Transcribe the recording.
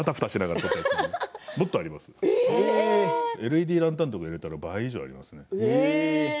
ＬＥＤランタンも入れたらもっと倍以上ありますよ。